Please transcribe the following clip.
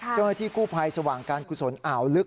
เจ้าหน้าที่กู้ภัยสว่างการกุศลอ่าวลึก